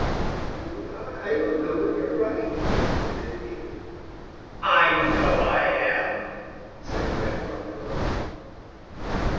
"I I don't know but you are right," admitted Peter. "I know I am," said Grandfather Frog.